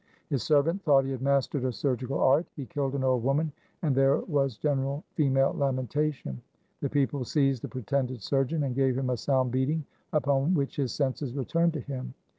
His servant thought he had mastered the surgical art. He killed an old woman and there was general female lamenta tion. The people seized the pretended surgeon, and gave him a sound beating, upon which his senses returned to him.